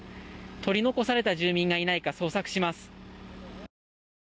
取り残された住民がいないか捜索します。